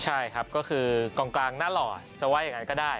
ใช่ครับก็คือกองกลางหน้าหล่อจะว่าอย่างนั้นก็ได้